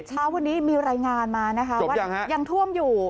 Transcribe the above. เช้าวันนี้มีรายงานมานะคะว่ายังท่วมอยู่